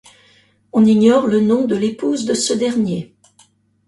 On ignore le nom de l'épouse de ce dernier.